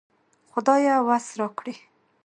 خدايه وس راکړې